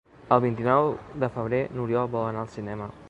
El vint-i-nou de febrer n'Oriol vol anar al cinema.